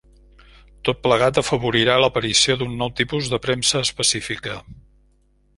Tot plegat afavorirà l'aparició d'un nou tipus de premsa específica.